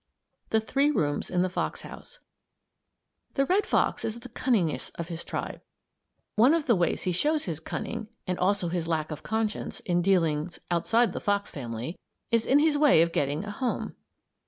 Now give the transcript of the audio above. THE THREE ROOMS IN THE FOX HOUSE The red fox is the cunningest of his tribe. One of the ways he shows his cunning and also his lack of conscience, in dealings outside the fox family is in his way of getting a home.